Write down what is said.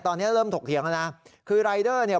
ตอนนี้เริ่มถกเถียงแล้วนะคือรายเดอร์เนี่ย